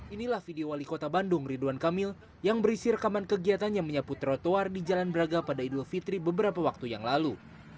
inilah video wali kota bandung ridwan kamil yang berisi rekaman kegiatannya menyapu trotoar di jalan braga pada idul fitri beberapa waktu yang lalu